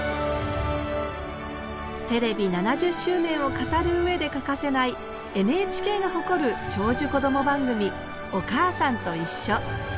テレビ７０周年を語る上で欠かせないＮＨＫが誇る長寿こども番組「おかあさんといっしょ」。